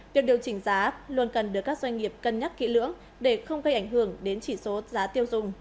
việc điều chỉnh giá luôn cần được các doanh nghiệp cân nhắc kỹ lưỡng để không gây ảnh hưởng đến chỉ số giá tiêu dùng